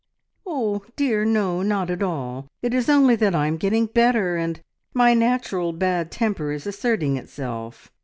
"Oh dear no, not at all. It is only that I am getting better, and my natural bad temper is asserting itself.